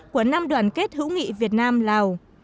của năm đoàn kết hữu nghị việt nam lào